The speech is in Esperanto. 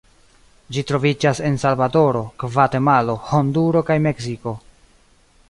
Ĝi troviĝas en Salvadoro, Gvatemalo, Honduro kaj Meksiko.